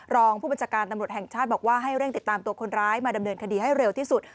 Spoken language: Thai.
รองผู้บัญชาการตำรวจแห่งชาติบอกว่าให้เร่งติดตามตัวคนร้ายมาดำเนินคดีให้เร็วที่สุด